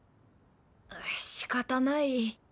あしかたない。